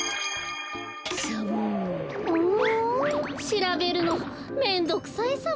しらべるのめんどくさいサボ。